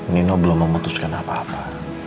nino belum memutuskan apa apa